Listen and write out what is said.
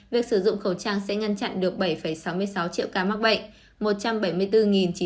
việc sử dụng khẩu trang sẽ ngăn chặn được bảy sáu mươi sáu triệu ca mắc bệnh